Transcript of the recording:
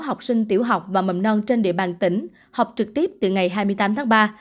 học sinh tiểu học và mầm non trên địa bàn tỉnh học trực tiếp từ ngày hai mươi tám tháng ba